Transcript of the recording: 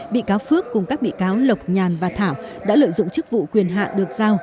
bị cáo phước cùng các bị cáo lộc nhàn và thảo đã lợi dụng chức vụ quyền hạn được giao